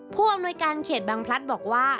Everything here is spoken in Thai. ผู้อำนวยการเขตบางพลัดบอกว่า